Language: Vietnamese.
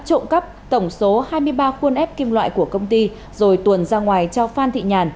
trộm cắp tổng số hai mươi ba khuôn ép kim loại của công ty rồi tuồn ra ngoài cho phan thị nhàn